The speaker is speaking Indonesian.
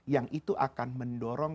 yang itu akan mendorong